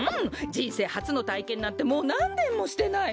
じんせいはつのたいけんなんてもうなんねんもしてないわ。